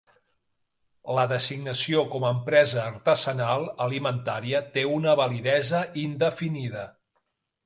La designació com a empresa artesanal alimentària té una validesa indefinida.